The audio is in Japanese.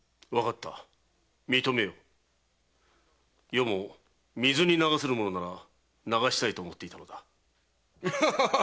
余も水に流せるものなら流したいと思っていたのだ。